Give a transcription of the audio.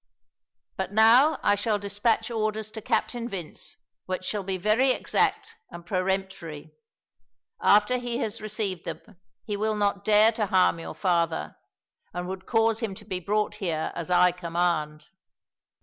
But now I shall despatch orders to Captain Vince which shall be very exact and peremptory. After he has received them he will not dare to harm your father, and would cause him to be brought here as I command."